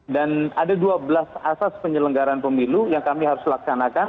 dan ada dua belas asas penyelenggaraan pemilu yang kami harus laksanakan